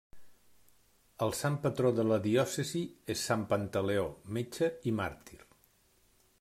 El sant patró de la diòcesi és Sant Pantaleó, metge i màrtir.